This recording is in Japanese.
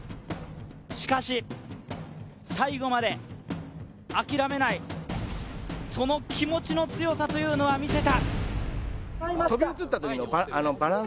しかし、最後まで諦めないその気持ちの強さというのは見せた。